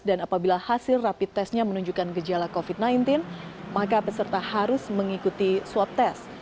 dan apabila hasil rapi tesnya menunjukkan gejala covid sembilan belas maka peserta harus mengikuti swab tes